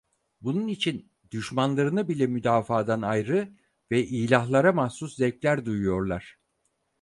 Bunun için düşmanlarını bile müdafaadan ayrı ve ilahlara mahsus zevkler duyuyorlar.